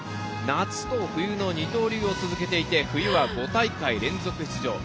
夏と冬の二刀流を続けていて冬は５大会連続出場。